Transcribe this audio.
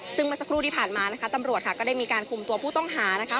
ซึ่งเมื่อสักครู่ที่ผ่านมานะคะตำรวจค่ะก็ได้มีการคุมตัวผู้ต้องหานะคะ